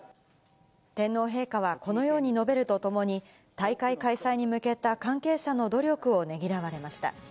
天皇陛下はこのように述べるとともに、大会開催に向けた関係者の努力をねぎらわれました。